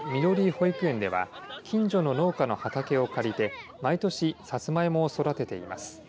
保育園では近所の農家の畑を借りて毎年さつまいもを育てています。